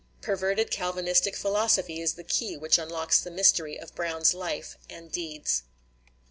Perverted Calvinistic philosophy is the key which unlocks the mystery of Brown's life and deeds.